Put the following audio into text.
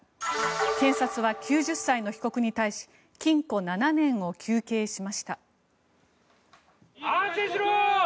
検察は９０歳の被告に対し禁錮７年を求刑しました。